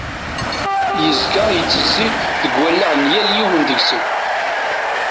Yezga yettezzi deg wallaɣ n yal yiwen deg-sen.